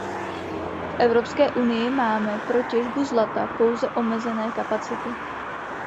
V Evropské unii máme pro těžbu zlata pouze omezené kapacity.